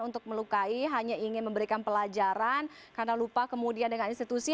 untuk melukai hanya ingin memberikan pelajaran karena lupa kemudian dengan institusi